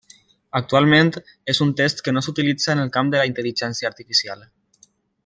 Actualment, és un test que no s'utilitza en el camp de la intel·ligència artificial.